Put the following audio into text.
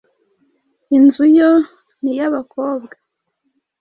inzu yo ni iy’abakobwa